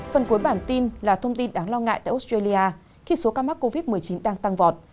phần cuối bản tin là thông tin đáng lo ngại tại australia khi số ca mắc covid một mươi chín đang tăng vọt